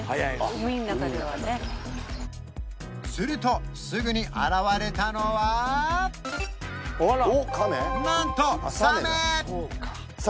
海の中ではねするとすぐに現れたのはなんとサメ！